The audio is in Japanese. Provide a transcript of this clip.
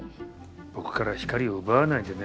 僕から光を奪わないでね。